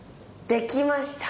できました！